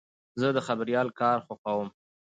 زه د خبریال کار خوښوم.